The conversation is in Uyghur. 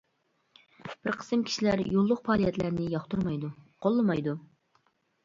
بىر قىسىم كىشىلەر يوللۇق پائالىيەتلەرنى ياقتۇرمايدۇ، قوللىمايدۇ.